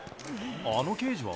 あの刑事は？